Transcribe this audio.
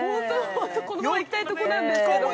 ◆このまま行きたいところなんですけども。